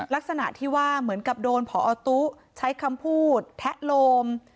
ลักษณะที่ว่าเหมือนกับโดนผอตุ๊ใช้คำพูดแทะโลม